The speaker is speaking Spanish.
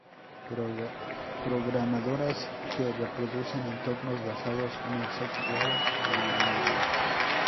programadoras que reproducen entornos basados en el software libre